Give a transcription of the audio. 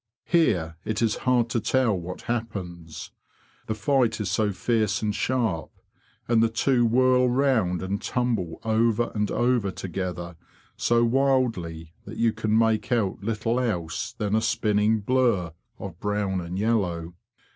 Here it is hard to tell what happens. The fight is so fierce and sharp, and the two whirl round and tumble over and over together so wildly that you can make out little else than a spinning blur of brown and yellow.